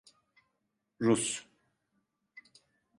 Rus.